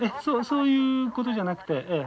そういうことじゃなくてええ。